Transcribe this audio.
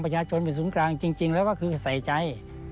ประชาชนเป็นศูนย์กลางจริงแล้วก็คือใส่ใจ